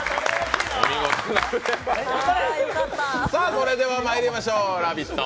それではまいりましょう「ラヴィット！」